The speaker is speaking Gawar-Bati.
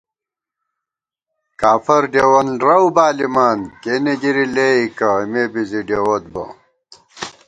کافر ڈېوَن رَؤ بالِمان کېنےگِری لېئیکہ اېمےبی زی ڈېووت بہ